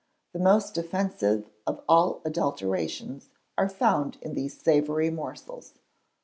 The most offensive of all adulterations are found in these savoury morsels.